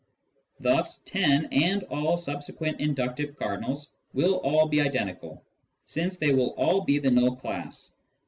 Thus 10 and all subsequent inductive cardinals will all be identical, since they will all be the null class.